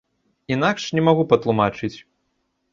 Інакш не магу патлумачыць.